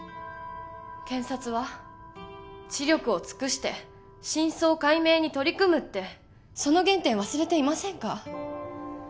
検察は知力を尽くして真相解明に取り組むってその原点忘れていませんか？